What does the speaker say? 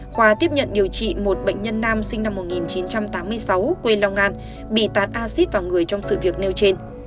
khoa tiếp nhận điều trị một bệnh nhân nam sinh năm một nghìn chín trăm tám mươi sáu quê long an bị tán acid vào người trong sự việc nêu trên